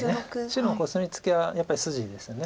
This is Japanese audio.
白のコスミツケはやっぱり筋ですよね